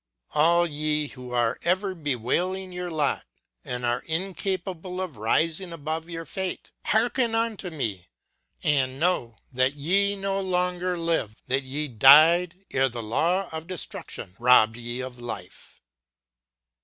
All ye who are ever bewailing your lot and are 200 LOOKING BACKWARD incapable of rising above your fate — hearken unto me and know that ye no longer live, that ye died ere the law of destruction robbed ye of life